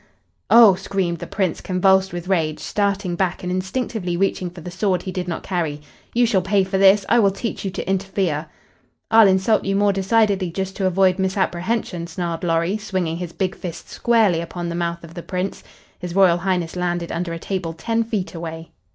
"Oh!" screamed, the Prince, convulsed with rage, starting back and instinctively reaching for the sword he did not carry. "You shall pay for this! I will teach you to interfere " "I'll insult you more decidedly just to avoid misapprehension," snarled Lorry, swinging his big fist squarely upon the mouth of the Prince. His Royal Highness landed under a table ten feet away.